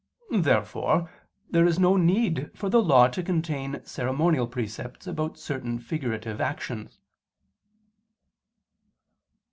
Therefore there is no need for the Law to contain ceremonial precepts about certain figurative actions.